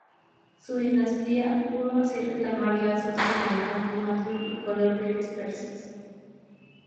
Su dinastía pudo así reclamar lazos con Alejandro Magno y con los reyes persas.